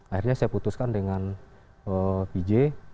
akhirnya saya putuskan dengan pj